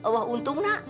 wah untung nak